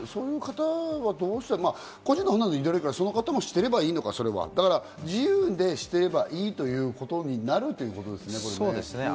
そういう方は、個人の判断にゆだねるってことは、その方がしてればいいのか、自由でしてればいいということになるということですね。